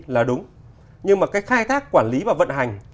là đúng nhưng mà cái khai thác quản lý và vận hành